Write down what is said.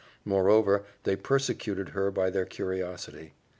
Moreover, they persecuted her by their curiosity.